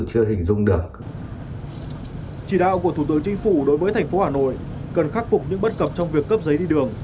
chỉ đạo của thủ tướng chính phủ đối với thành phố hà nội cần khắc phục những bất cập trong việc cấp giấy đi đường